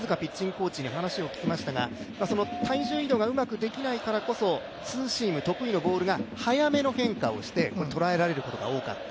コーチに話を聞きましたがその体重移動がうまくできないからこそ、ツーシーム得意のボールが早めの変化をして捉えられることが多かった。